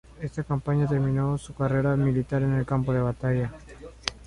Esta campaña terminó su carrera militar en el campo de batalla.